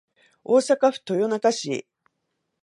大阪府豊中市